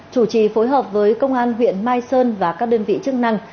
chủ trì phối hợp với công an huyện mai sơn và các đơn vị chức năng